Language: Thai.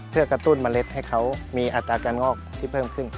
เพื่อกระตุ้นเมล็ดให้เขามีอัตราการงอกที่เพิ่มขึ้น